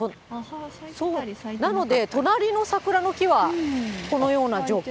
なので、隣の桜の木はこのような状況。